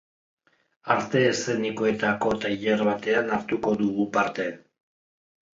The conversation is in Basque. Arte eszenikoetako tailer batean hartuko dugu parte.